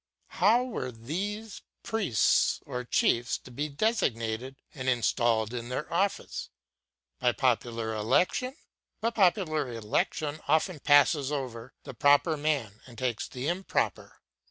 How were these priests or chiefs to be designated and installed in their office? By popular election? But popular election often passes over the proper man and takes the improper.